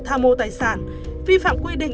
tham mô tài sản vi phạm quy định